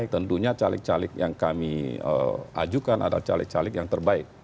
tentunya caleg caleg yang kami ajukan adalah caleg caleg yang terbaik